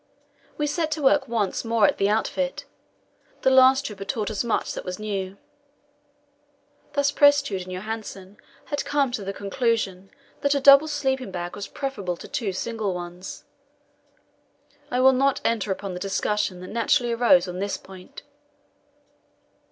We set to work once more at the outfit; the last trip had taught us much that was new. Thus Prestrud and Johansen had come to the conclusion that a double sleeping bag was preferable to two single ones. I will not enter upon the discussion that naturally arose on this point.